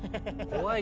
怖い。